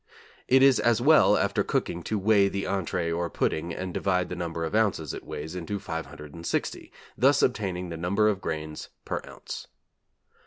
It is as well after cooking to weight the entree or pudding and divide the number of ounces it weighs into 560, thus obtaining the number of grains per ounce.